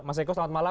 mas eko selamat malam